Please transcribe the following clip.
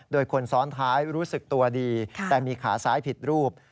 โดยคนซ้อนท้ายรู้สึกตัวดีแต่มีขาซ้ายผิดรูป